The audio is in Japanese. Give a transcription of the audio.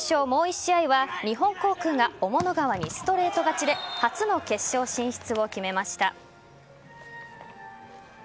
もう１試合は日本航空が雄物川にストレート勝ちで初の決勝進出を決めました。